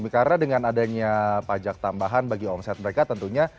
karena dengan adanya pajak tambahan bagi omset mereka tentunya